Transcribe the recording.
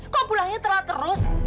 kok pulangnya telah terus